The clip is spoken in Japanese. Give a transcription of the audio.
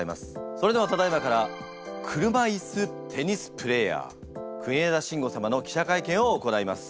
それではただいまから車いすテニスプレーヤー国枝慎吾様の記者会見を行います。